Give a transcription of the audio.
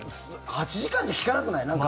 ８時間じゃきかなくない？